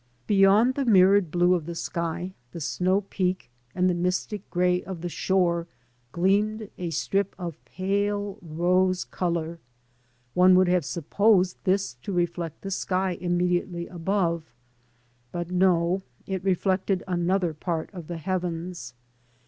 Beyond the mirrored blue of the sky, the snow peak, and the mystic grey of the shore gleamed a strip of pale rose colour. One would have supposed this to reflect the sky immediately above. But no ; it reflected another part of the heavens.